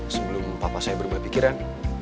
sebelum papa saya berbuat pikiran